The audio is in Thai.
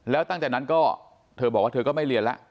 แล้วตั้งแต่นั้นก็เธอบอกว่าเธอก็ไม่เรียนแล้ว